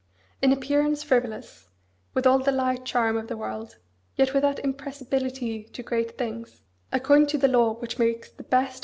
In appearance, frivolous; with all the light charm of the world, yet with that impressibility to great things, according to the law which makes the best of M.